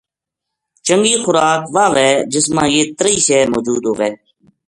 چنگی خوراک واہ وھے جس ما یہ تریہی شے موجود وھے